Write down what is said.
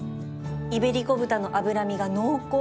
イベリコ豚の脂身が濃厚